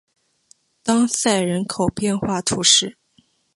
当塞人口变化图示